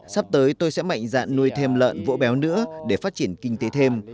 sắp tới tôi sẽ mạnh dạn nuôi thêm lợn vỗ béo nữa để phát triển kinh tế thêm